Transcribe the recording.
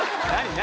何？